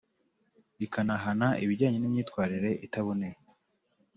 ikanahana ibijyanye n imyitwarire itaboneye